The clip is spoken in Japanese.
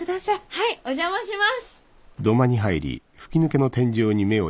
はいお邪魔します！